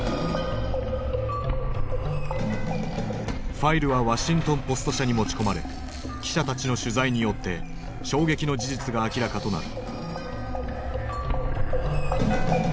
ファイルはワシントン・ポスト社に持ち込まれ記者たちの取材によって衝撃の事実が明らかとなる。